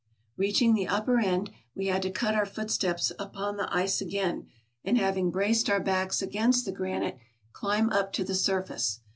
Reaching the upper end, we had to cut our footsteps upon the ice again, and, having braced our backs against the granite, climb up to the surface.